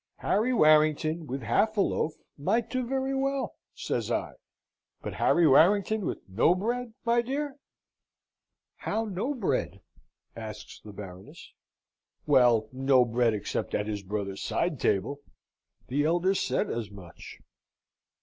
'Harry Warrington, with half a loaf, might do very well,' says I, 'but Harry Warrington with no bread, my dear!'" "How no bread?" asks the Baroness. "Well, no bread except at his brother's side table. The elder said as much."